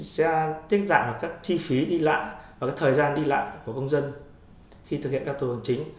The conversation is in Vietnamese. sẽ tiết giảm các chi phí đi lãng và thời gian đi lãng của công dân khi thực hiện các thủ tục hành chính